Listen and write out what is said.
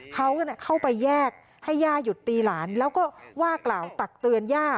เขาก็เข้าไปแยกให้ย่าหยุดตีหลานแล้วก็ว่ากล่าวตักเตือนย่า